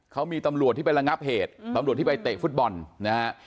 เขามีตำรวจที่ไประงับเหตุตำรวจที่ไปเตะฟุตบอลนะฮะ